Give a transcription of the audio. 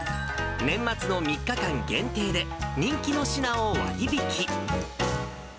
年末の３日間限定で、人気の品を割引。